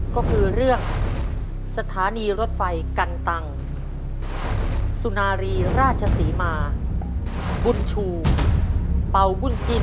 ก็คือเรื่องสถานีรถไฟกันตังสุนารีราชศรีมาบุญชูเป่าบุญจิ้น